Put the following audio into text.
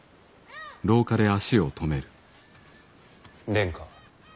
殿下。